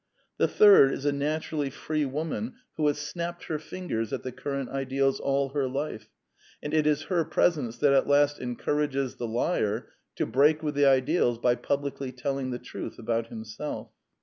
The third is a naturally free woman who has snapped The Anti Idealist Plays 87 her fingers at the current ideals all her life; and it is her presence that at last encourages the liar to break with the ideals by publicly telling the truth about himself.